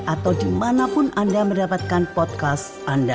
atau dimanapun anda mendapatkan podcast anda